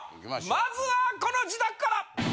まずはこの自宅から！